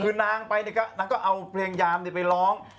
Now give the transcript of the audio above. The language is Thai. คือนางไปนี่ก็นางก็เอาเพลงยามนี่ไปร้อง